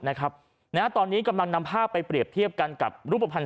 นะฮะตอนนี้กำลังนำภาพไปเปรียบเทียบกันกับรูปภัณฑ์